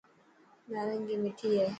نارنگي مٺي هي.